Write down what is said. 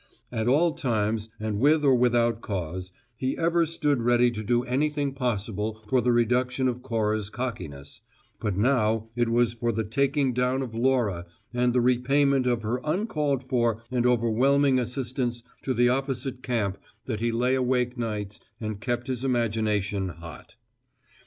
At all times, and with or without cause, he ever stood ready to do anything possible for the reduction of Cora's cockiness, but now it was for the taking down of Laura and the repayment of her uncalled for and overwhelming assistance to the opposite camp that he lay awake nights and kept his imagination hot.